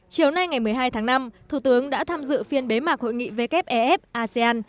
chiều nay ngày một mươi hai tháng năm thủ tướng đã tham dự phiên bế mạc hội nghị wef asean